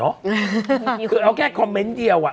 ฮ่าฮ่านี่คือเอาแค่คอมเมนต์เดียวอะ